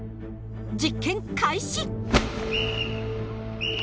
実験開始！